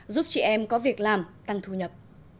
giúp chị em có việc làm tăng thu nhập